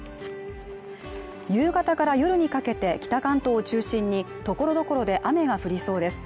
夕方から夜にかけて北関東を中心にところどころで雨が降りそうです